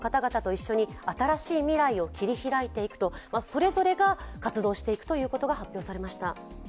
それぞれが活動していくことが発表されました。